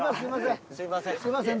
すいません。